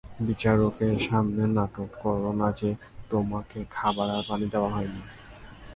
বিচারকের সামনে নাটক করো না যে তোমাকে খাবার আর পানি দেওয়া হয়নি।